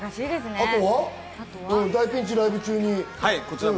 あとは、大ピンチ、ライブ中に。